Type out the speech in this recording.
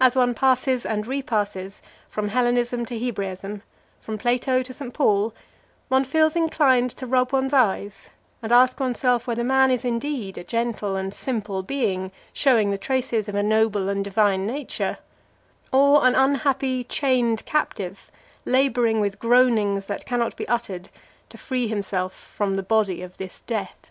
As one passes and repasses from Hellenism to Hebraism, from Plato to St. Paul, one feels inclined to rub one's eyes and ask oneself whether man is indeed a gentle and simple being, showing the traces of a noble and divine nature; or an unhappy chained captive, labouring with groanings that cannot be uttered to free himself from the body of this death.